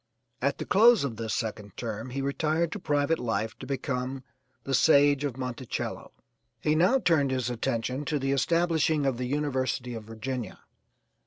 At the close of this second term he retired to private life to become the 'Sage of Monticello.' He now turned his attention to the establishing of the University of Virginia.